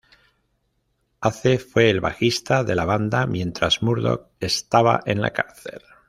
Ace fue el bajista de la banda, mientras Murdoc estaba en la cárcel.